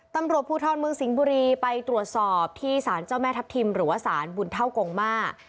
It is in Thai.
ตำรวจภูทรเมืองสิงห์บุรีไปตรวจสอบที่สารเจ้าแม่ทัพทิมหรือว่าศาลบุญเท่ากงมา